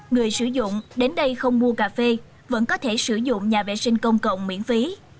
người sử dụng đến đây không mua cà phê vẫn có thể sử dụng nhà vệ sinh công cộng miễn phí